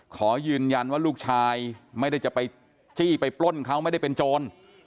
ขอยืนยันว่าลูกชายไม่ได้จะไปจี้ไปปล้นเขาไม่ได้เป็นโจร